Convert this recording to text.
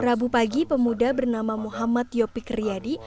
rabu pagi pemuda bernama muhammad yopikun